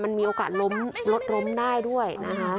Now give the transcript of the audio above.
มันมีโอกาสล้มรถล้มได้ด้วยนะคะ